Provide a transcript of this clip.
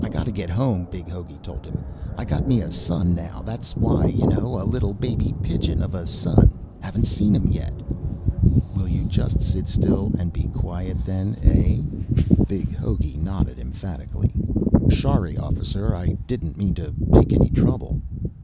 "I gotta get home," Big Hogey told him. "I got me a son now, that's why. You know? A little baby pigeon of a son. Haven't seen him yet." "Will you just sit still and be quiet then, eh?" Big Hogey nodded emphatically. "Shorry, officer, I didn't mean to make any trouble."